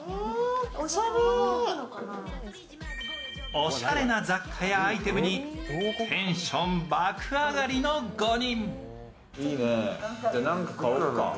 おしゃれな雑貨やアイテムにテンション爆上がりの５人。